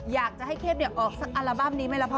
อยากจะให้เข้มออกสักอัลบั้มนี้ไหมล่ะพ่อ